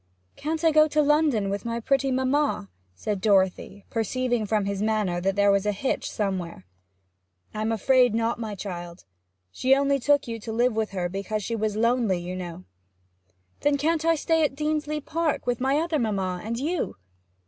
'Can't I go to London with my pretty mamma?' said Dorothy, perceiving from his manner that there was a hitch somewhere. 'I am afraid not, my child. She only took you to live with her because she was lonely, you know.' 'Then can't I stay at Deansleigh Park with my other mamma and you?'